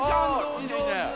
いいねいいね。